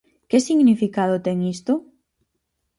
Que significado ten isto?